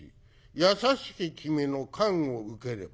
優しき君の看護受ければ」。